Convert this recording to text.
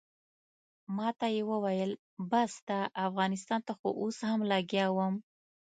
ماته یې وویل بس ده افغانستان ته خو اوس هم لګیا وم.